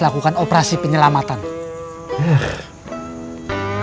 lakukan operasi penyelamatan eh